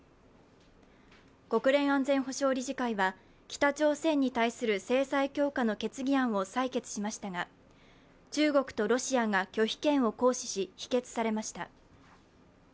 国連安全保障理事会は北朝鮮に対する制裁強化の決議案を採決しましたが中国とロシアが拒否権を行使し否決されました。